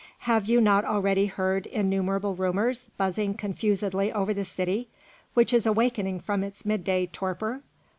Have you not already heard innumerable rumours buzzing confusedly over the city, which is awakening from its midday torpor?